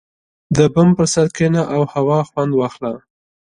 • د بام پر سر کښېنه او هوا خوند واخله.